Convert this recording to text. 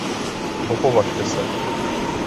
Vopovažte se!